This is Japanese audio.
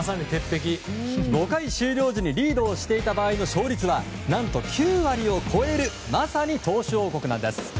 ５回終了時にリードをしていた場合の勝率は何と９割を超えるまさに投手王国なんです。